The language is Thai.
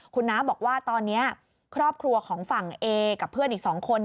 คุณน้าบอกว่าตอนนี้ครอบครัวของฝั่งเอกับเพื่อนอีก๒คน